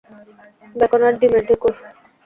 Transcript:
Bacon আর ডিমের ঢেঁকুর।